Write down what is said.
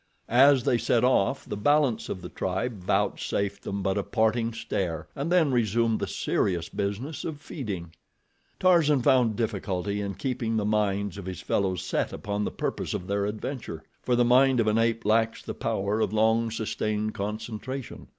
As they set off, the balance of the tribe vouchsafed them but a parting stare, and then resumed the serious business of feeding. Tarzan found difficulty in keeping the minds of his fellows set upon the purpose of their adventure, for the mind of an ape lacks the power of long sustained concentration.